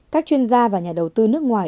các chuyên gia và nhà đầu tư nước ngoài